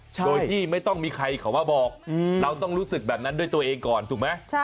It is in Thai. โดยที่ไม่ต้องมีใครเขามาบอกเราต้องรู้สึกแบบนั้นด้วยตัวเองก่อนถูกไหม